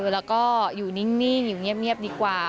แล้วก็อยู่นิ่งอยู่เงียบดีกว่า